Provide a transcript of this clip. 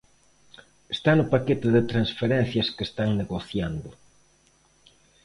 Está no paquete de transferencias que están negociando.